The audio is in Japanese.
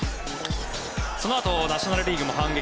そのあとナショナル・リーグも反撃